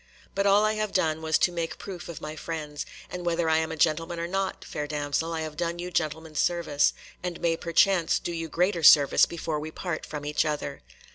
But all I have done was to make proof of my friends, and whether I am a gentleman or not, fair damsel, I have done you gentleman's service, and may perchance do you greater service before we part from each other."